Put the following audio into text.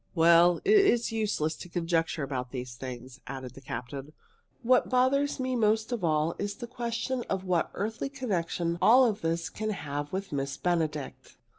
"Well, it is useless to conjecture about these things," added the captain. "What bothers me most of all is the question of what earthly connection all this can have with Miss Benedict.